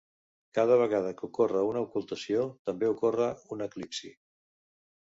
Cada vegada que ocorre una ocultació, també ocorre un eclipsi.